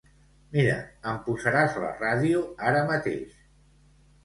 Mira, em posaràs la ràdio ara mateix.